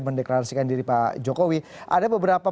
mendeklarasikan diri pak jokowi ada beberapa